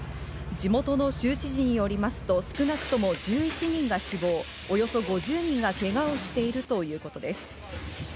地元の州知事によりますと、少なくとも１１人が死亡、およそ５０人がけがをしているということです。